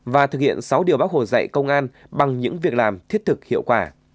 và thực hiện sáu điều bác hồ dạy công an bằng những việc làm thiết thực hiệu quả